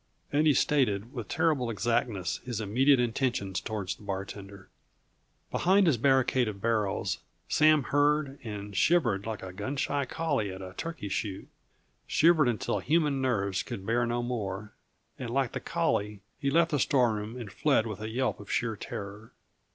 And he stated, with terrible exactness, his immediate intentions towards the bartender. Behind his barricade of barrels, Sam heard and shivered like a gun shy collie at a turkey shoot; shivered until human nerves could bear no more, and like the collie he left the storeroom and fled with a yelp of sheer terror.